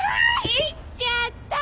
言っちゃった！